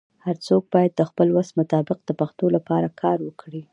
هرڅوک باید د خپل وس مطابق د پښتو لپاره کار وکړي.